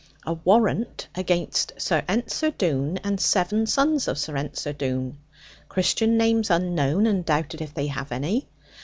'A warrant against Sir Ensor Doone, and seven sons of Sir Ensor Doone, Christian names unknown, and doubted if they have any.